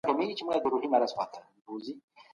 هغوی کډه په شا ته ژوند لري.